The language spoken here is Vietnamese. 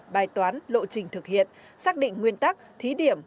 bài toán lộ trình thực hiện xác định nguyên tắc thí điểm